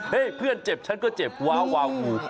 เพื่อนเจ็บฉันก็เจ็บว้าวาวู